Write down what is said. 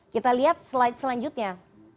kita lihat slide selanjutnya